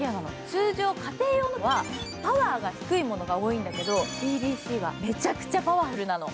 通常の家庭用のものはパワーが低いものが多いんだけどＴＢＣはめちゃくちゃパワフルなの。